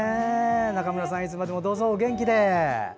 中村さん、いつまでもお元気で。